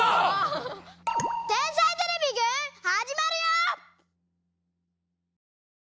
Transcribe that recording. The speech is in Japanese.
「天才てれびくん」はじまるよ！